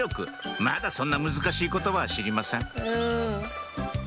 まだそんな難しい言葉は知りません